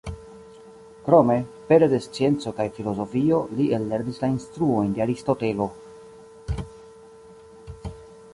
Krome, pere de scienco kaj filozofio li ellernis la instruojn de Aristotelo.